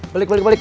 balik balik balik